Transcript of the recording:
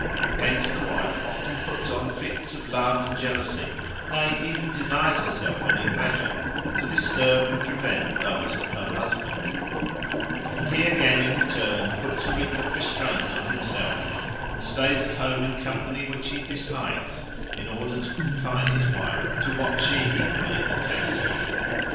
Hence the wife often puts on fits of love and jealousy, nay, even denies herself any pleasure, to disturb and prevent those of her husband; and he again, in return, puts frequent restraints on himself, and stays at home in company which he dislikes, in order to confine his wife to what she equally detests.